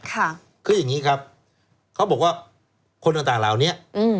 ค่ะคืออย่างนี้ครับเขาบอกว่าคนต่างต่างเหล่านี้อืม